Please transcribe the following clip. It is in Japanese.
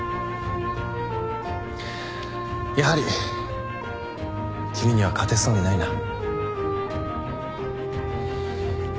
やはり君には勝てそうにないな。